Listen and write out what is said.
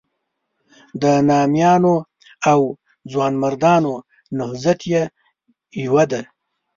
د نامیانو او ځوانمردانو نهضت یې یوه ده.